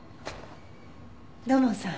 土門さん。